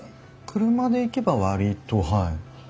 車で行けば割とはい。